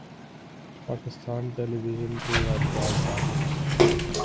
Pakistan television کے یادگار ڈرامے